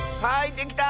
できた！